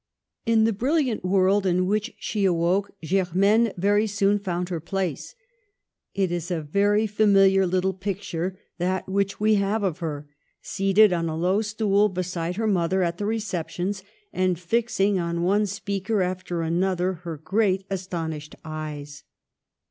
In the brilliant world in which she awoke, Ger maine very soon found her place. It is a very familiar little picture that which we have of her, seated on a low stool beside her mother at the receptions, and fixing on one speaker after anoth er her great, astonished eyes.